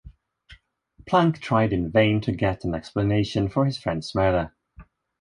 Planck tried in vain to get an explanation for his friend's murder.